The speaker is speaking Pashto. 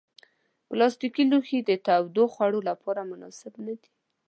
پلاستيکي لوښي د تودو خوړو لپاره مناسب نه دي.